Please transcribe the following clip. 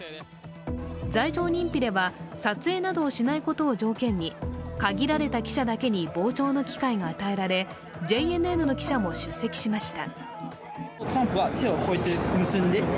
罪状認否では撮影などをしないことを条件に、限られた記者だけに傍聴の機会が与えられ、ＪＮＮの記者も出席しました。